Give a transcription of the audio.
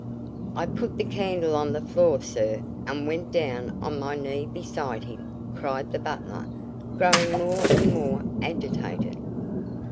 "I put the candle on the floor, sir, and went down on my knee beside him," cried the butler, growing more and more agitated.